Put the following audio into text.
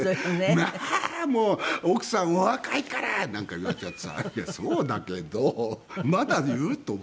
「まあもう奥さんお若いから」なんか言われちゃってさいやそうだけどまだ言う？と思って。